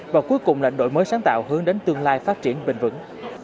và cuối cùng là đổi mới sáng tạo hướng đến tương lai phát triển bình vững